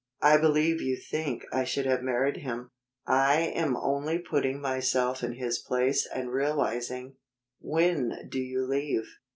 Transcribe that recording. "I believe you think I should have married him." "I am only putting myself in his place and realizing When do you leave?"